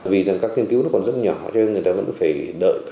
vì rằng các nghiên cứu nó còn rất nhỏ cho nên người ta vẫn phải nợ